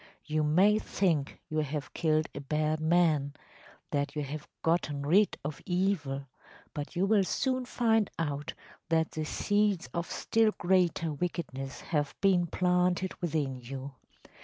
You may think you have killed a bad man‚ÄĒthat you have gotten rid of evil‚ÄĒbut you will soon find out that the seeds of still greater wickedness have been planted within you.